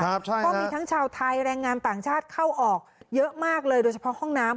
เพราะมีทั้งชาวไทยแรงงานต่างชาติเข้าออกเยอะมากเลยโดยเฉพาะห้องน้ำ